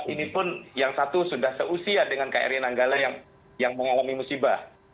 ini pun yang satu sudah seusia dengan kri nanggala yang mengalami musibah